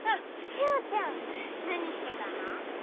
しおちゃん。何してたの？